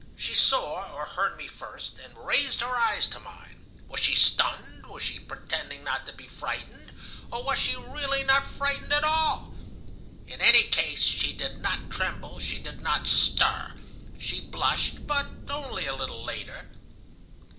She saw or heard me first, and raised her eyes to mine. Was she stunned, was she pretending not to be frightened, or was she really not frightened at all? In any case, she did not tremble, she did not stir. She blushed, but only a little later.